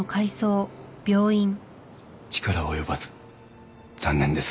力及ばず残念です。